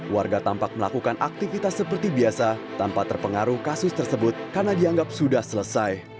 warga tampak melakukan aktivitas seperti biasa tanpa terpengaruh kasus tersebut karena dianggap sudah selesai